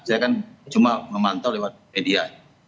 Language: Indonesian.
saya kan cuma memantau lewat media